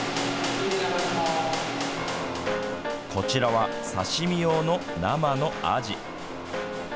こちらは刺身用の生のあじ。